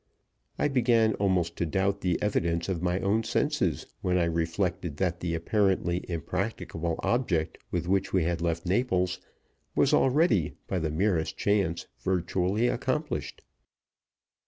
I began almost to doubt the evidence of my own senses when I reflected that the apparently impracticable object with which we had left Naples was already, by the merest chance, virtually accomplished.